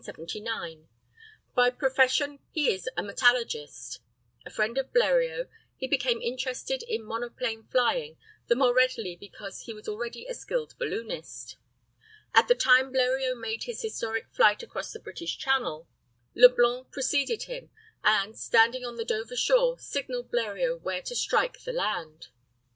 By profession he is a metallurgist. A friend of Bleriot, he became interested in monoplane flying, the more readily because he was already a skilled balloonist. At the time Bleriot made his historic flight across the British Channel, Leblanc preceded him, and, standing on the Dover shore, signalled Bleriot where to strike the land.